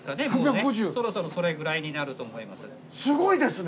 そろそろそれぐらいになると思います。